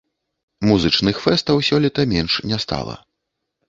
Музычных фэстаў сёлета менш не стала.